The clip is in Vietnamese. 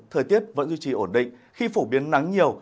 thời tiết vẫn duy trì ổn định khi phổ biến nắng nhiều